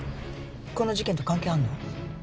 この事件と関係あるの？